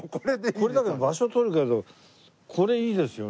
これだけど場所取るけどこれいいですよね。